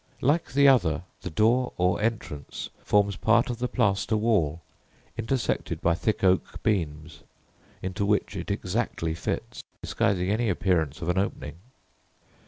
Like the other, the door, or entrance, forms part of the plaster wall, intersected by thick oak beams, into which it exactly fits, disguising any appearance of an opening.